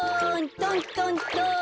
トントントン。